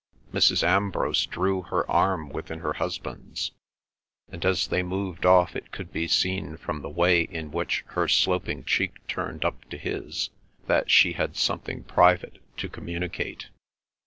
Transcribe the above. Mrs. Ambrose drew her arm within her husband's, and as they moved off it could be seen from the way in which her sloping cheek turned up to his that she had something private to communicate.